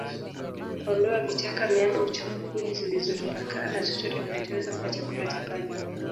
Ondoa vichaka miamba uchafu kuni zilizotapakaa na chochote kinachoweza kuwa chakula cha panya